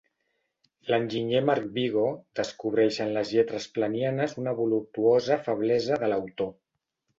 L'enginyer Marc Vigo descobreix en les lletres planianes una voluptuosa feblesa de l'autor.